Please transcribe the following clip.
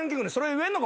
言えんのか？